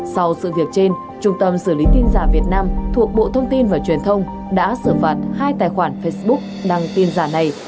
sau sự việc trên trung tâm xử lý tin giả việt nam thuộc bộ thông tin và truyền thông đã xử phạt hai tài khoản facebook đăng tin giả này